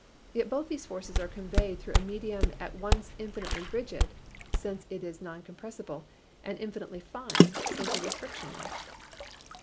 Yet both these forces are conveyed through a medium at once infinitely rigid, since it is non compressible, and infinitely fine, since it is frictionless.